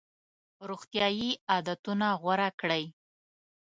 روغتیایي عادتونه غوره کړئ.